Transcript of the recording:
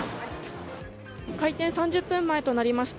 開店３０分前となりました。